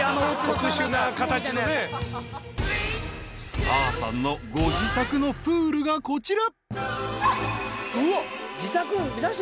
［スターさんのご自宅のプールがこちら］